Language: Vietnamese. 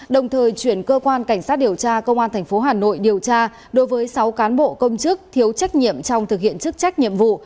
đồng thời chuyển cơ quan cảnh sát điều tra công an tp hà nội điều tra đối với sáu cán bộ công chức thiếu trách nhiệm trong thực hiện chức trách nhiệm vụ